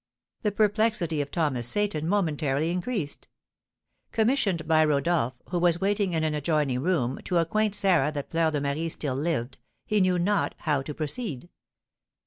The perplexity of Thomas Seyton momentarily increased. Commissioned by Rodolph, who was waiting in an adjoining room, to acquaint Sarah that Fleur de Marie still lived, he knew not how to proceed.